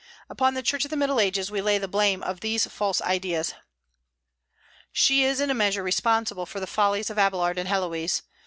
Upon the Church of the Middle Ages we lay the blame of these false ideas. She is in a measure responsible for the follies of Abélard and Héloïse.